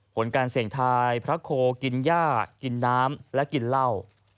ผลการเสี่ยงทายพระโคกินย่ากินน้ำและกินเหล้า